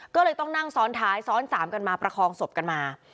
ก็เลยต้องนั่งซ้อนท้ายซ้อนสามกันมาประคองศพกันมา